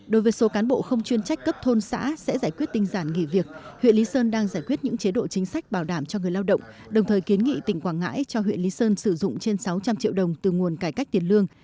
đối với số cán bộ không chuyên trách cấp thôn xã sẽ giải quyết tinh giản nghỉ việc huyện lý sơn đang giải quyết những chế độ chính sách bảo đảm cho người lao động đồng thời kiến nghị tỉnh quảng ngãi cho huyện lý sơn sử dụng trên sáu trăm linh triệu đồng từ nguồn cải cách tiền lương